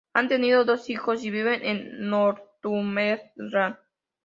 Han tenido dos hijos y viven en Northumberland.